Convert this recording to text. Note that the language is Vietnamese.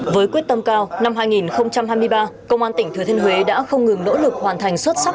với quyết tâm cao năm hai nghìn hai mươi ba công an tỉnh thừa thiên huế đã không ngừng nỗ lực hoàn thành xuất sắc